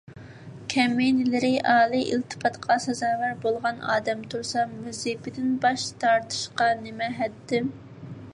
كەمىنىلىرى ئالىي ئىلتىپاتقا سازاۋەر بولغان ئادەم تۇرسام، ۋەزىپىدىن باش تارتىشقا نېمە ھەددىم؟